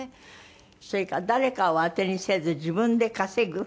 それから誰かを当てにせず自分で稼ぐ？